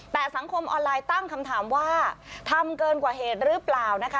แต่สังคมออนไลน์ตั้งคำถามว่าทำเกินกว่าเหตุหรือเปล่านะคะ